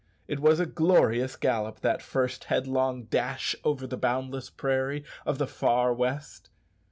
It was a glorious gallop, that first headlong dash over the boundless prairie of the "far west."